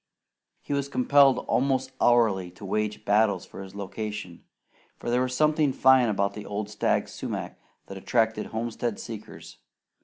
He was compelled almost hourly to wage battles for his location, for there was something fine about the old stag sumac that attracted homestead seekers.